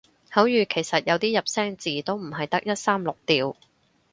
口語其實有啲入聲字都唔係得一三六調